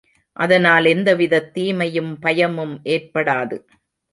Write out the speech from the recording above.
அதனால் எந்தவிதத் தீமையும் பயமும் ஏற்படாது.